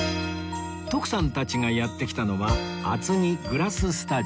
徳さんたちがやって来たのは